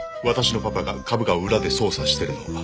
「私のパパが株価を裏で操作してるの」